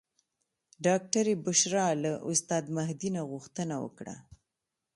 ډاکټرې بشرا له استاد مهدي نه غوښتنه وکړه.